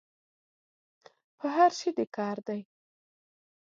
په هر شي دي کار دی.